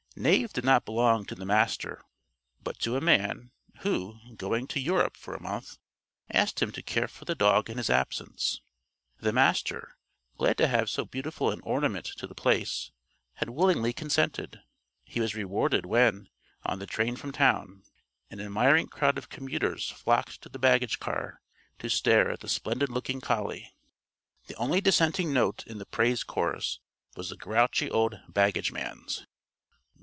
Knave did not belong to the Master, but to a man who, going to Europe for a month, asked him to care for the dog in his absence. The Master, glad to have so beautiful an ornament to The Place, had willingly consented. He was rewarded when, on the train from town, an admiring crowd of commuters flocked to the baggage car to stare at the splendid looking collie. The only dissenting note in the praise chorus was the grouchy old baggage man's.